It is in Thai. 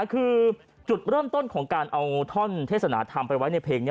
คือจุดเริ่มต้นของการเอาท่อนเทศนาธรรมไปไว้ในเพลงนี้